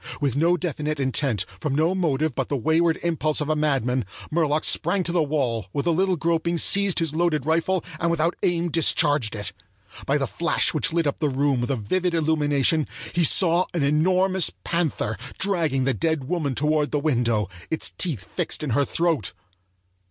With no definite intent, from no motive but the wayward impulse of a madman, Murlock sprang to the wall, with a little groping seized his loaded rifle, and without aim discharged it. By the flash which lit up the room with a vivid illumination, he saw an enormous panther dragging the dead woman toward the window, its teeth fixed in her throat!